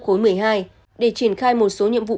khối một mươi hai để triển khai một số nhiệm vụ